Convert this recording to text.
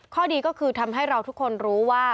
ข้อดีก็คือทำให้เราทุกคนรู้ว่า